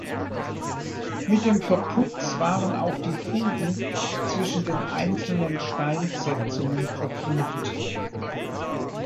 Mit dem Verputz waren auch die Fugen zwischen den einzelnen Steinsetzungen verfüllt.